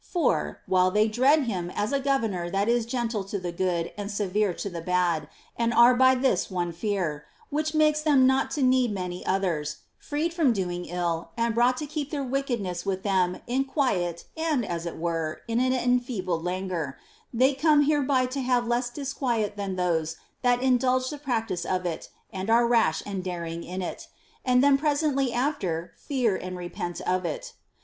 For, while they dread him as a governor that is gentle to the good and severe to the bad, and are by this one fear, which makes them not to need many others, freed from doing ill and brought to keep their wicked ness with them in quiet and (as it were) in an enfeebled 'languor, they come hereby to have less disquiet than those that indulge the practice of it and are rash and daring in it, and then presently after fear and repent of it.